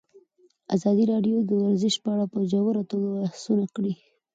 ازادي راډیو د ورزش په اړه په ژوره توګه بحثونه کړي.